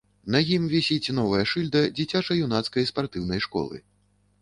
На ім вісіць новая шыльда дзіцяча-юнацкай спартыўнай школы.